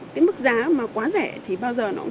cái mức giá mà quá rẻ thì bao giờ nó cũng